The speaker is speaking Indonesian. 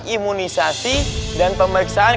imunisasi dan pemeriksaan